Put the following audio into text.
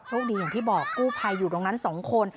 โชคดีอย่างพี่บอกกู้ไภอยู่ตรงนั้น๒คน